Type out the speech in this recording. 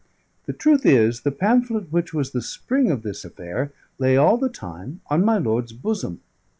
The truth is, the pamphlet which was the spring of this affair lay all the time on my lord's bosom.